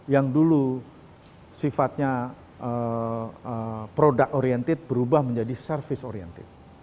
yang dulu sifatnya produk oriented berubah menjadi service oriented